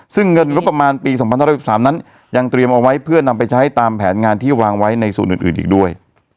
ซึ่งเงินงบประมาณปี๒๕๑๓นั้นยังเตรียมเอาไว้เพื่อนำไปใช้ตามแผนงานที่วางไว้ในส่วนอื่นอีกด้วย